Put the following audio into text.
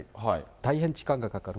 大変時間がかかる。